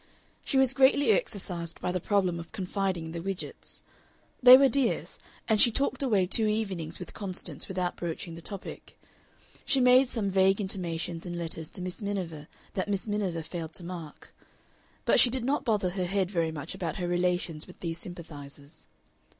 She was greatly exercised by the problem of confiding in the Widgetts; they were dears, and she talked away two evenings with Constance without broaching the topic; she made some vague intimations in letters to Miss Miniver that Miss Miniver failed to mark. But she did not bother her head very much about her relations with these sympathizers.